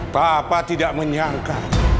papa tidak menyangka